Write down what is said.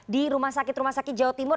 di rumah sakit rumah sakit jawa timur